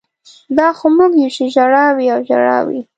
دا خو موږ یو چې ژړا وي او ژړا وي